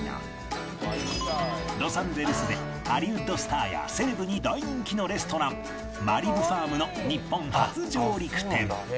ロサンゼルスでハリウッドスターやセレブに大人気のレストランマリブファームの日本初上陸店